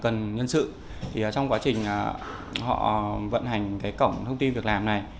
các nhà tuyển dụng thì cần nhân sự thì trong quá trình họ vận hành cái cổng thông tin việc làm này